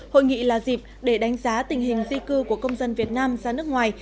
hội nghị là dịp để đánh giá tình hình di cư của công dân việt nam ra nước ngoài